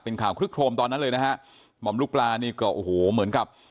เป็นข่าวคลึกโครมตอนนั้นเลยนะฮะหม่อมลูกปลานี่ก็โอ้โหเหมือนกับ